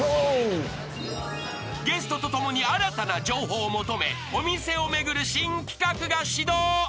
［ゲストと共に新たな情報を求めお店を巡る新企画が始動］